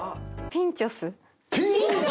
ピンチョス！？